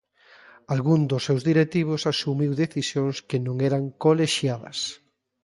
Algún dos seus directivos asumiu decisións que non eran colexiadas.